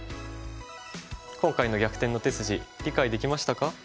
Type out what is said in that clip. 今回の「逆転の手筋」理解できましたか？